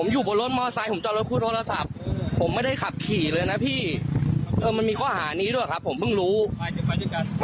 อยู่บนรถนะถึงให้โทรศัพท์เขาไม่ได้ก็ไม่ได้เอาจอดนะครับลูก